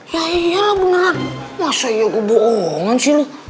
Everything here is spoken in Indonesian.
ya iyalah beneran masa iya gue bohongan sih lo